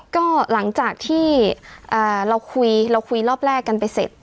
ก็หลังจากที่เราคุยเราคุยรอบแรกกันไปเสร็จ